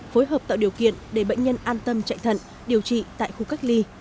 phối hợp tạo điều kiện để bệnh nhân an tâm chạy thận điều trị tại khu cách ly